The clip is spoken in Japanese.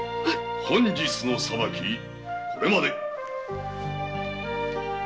本日の裁きこれまで。